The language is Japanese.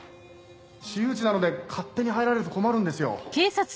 私有地なので勝手に入られると困るんですよ。